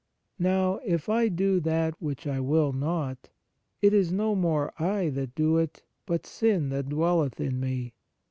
Now if I do that which I will not, it is no more I that do it, but sin that dwelleth in me.